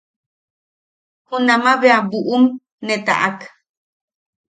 Junama bea buʼum ne taʼak.